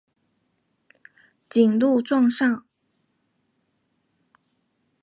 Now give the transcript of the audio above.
谨录状上。